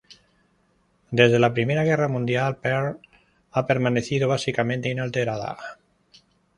Desde la Primera Guerra Mundial, Perth ha permanecido básicamente inalterada.